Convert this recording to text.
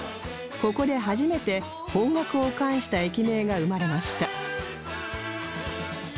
ここで初めて方角を冠した駅名が生まれました